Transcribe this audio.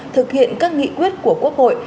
thực hiện các nghị quyết của quốc hội